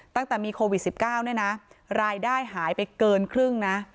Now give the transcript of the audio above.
ตั้งแต่มีโควิด๑๙เนี่ยนะรายได้หายไปเกินครึ่งนะ